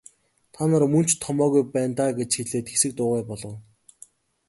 Та нар мөн ч томоогүй байна даа гэж хэлээд хэсэг дуугүй болов.